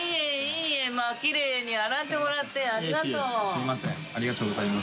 すみませんありがとうございます。